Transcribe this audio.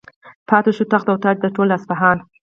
پاتې شو تخت و تاج د ټول اصفهان.